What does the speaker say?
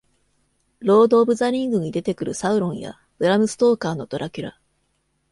『ロード・オブ・ザ・リング』に出てくるサウロンや、ブラム・ストーカーの『ドラキュラ』。